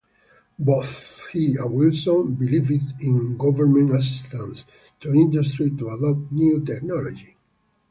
Both he and Wilson believed in government assistance to industry to adopt new technology.